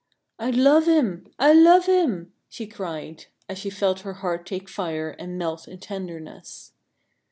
" I love him, I love him !" she cried, as she felt her heart take fire and melt in tenderness.